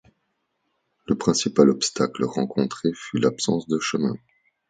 Le principal obstacle rencontré fut l'absence de chemins.